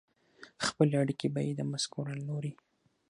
خپلې اړیکې به یې د مسکو له لوري